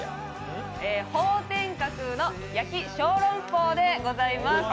鵬天閣の焼き小籠包でございます。